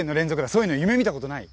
そういうの夢見たことない？